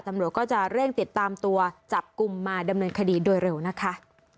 ตำรวจก็จะเร่งติดตามตัวจับกลุ่มมาดำเนินคดีโดยเร็วนะคะ